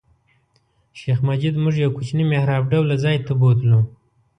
شیخ مجید موږ یو کوچني محراب ډوله ځای ته بوتلو.